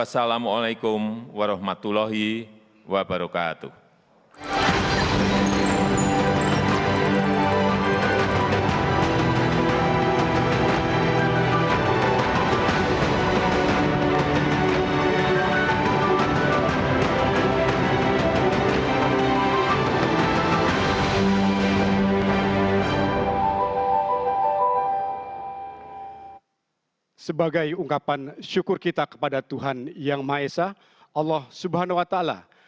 sebagai ungkapan syukur kita kepada tuhan yang maha esa allah subhanahu wa ta'ala